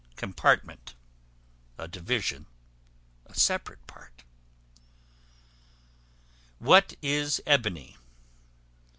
Compartment, a division, a separate part. What is Ebony?